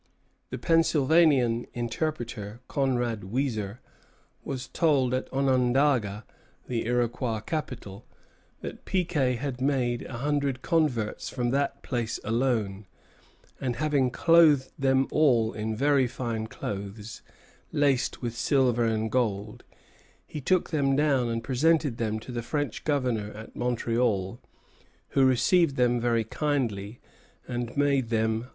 The Pennsylvanian interpreter, Conrad Weiser, was told at Onondaga, the Iroquois capital, that Piquet had made a hundred converts from that place alone; and that, "having clothed them all in very fine clothes, laced with silver and gold, he took them down and presented them to the French Governor at Montreal, who received them very kindly, and made them large presents."